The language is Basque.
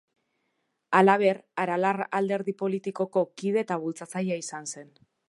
Halaber, Aralar alderdi politikoko kide eta bultzatzailea izan zen.